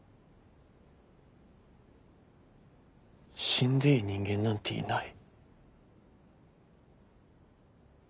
死んでいい人間なんていない。